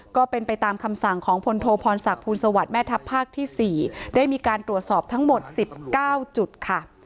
ก็เป็นไปตามคำสั่งของพลโทพรศักดิ์สวัสดิ์แม่ทัพภาคที่๔ได้มีการตรวจสอบทั้งหมด๑๙จุดค่ะ